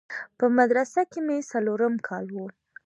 په مدرسه کښې مې څلورم کال و.